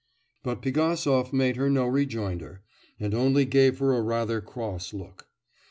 But Pigasov made her no rejoinder, and only gave her a rather cross look.